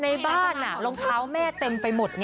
ในบ้านรองเท้าแม่เต็มไปหมด